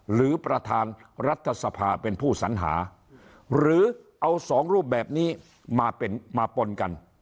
หรือประธานรัฐสภาเป็นผู้สัญหาหรือเอาสองรูปแบบนี้มาเป็นมาปนกัน